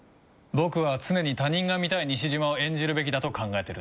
僕は常に他人が見たい西島を演じるべきだと考えてるんだ。